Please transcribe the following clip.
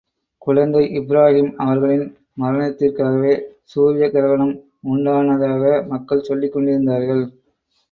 குழந்தை இப்ராஹிம் அவர்களின் மரணத்திற்காகவே, சூரிய கிரஹணம் உண்டானதாக, மக்கள் சொல்லிக் கொண்டிருந்தார்கள்.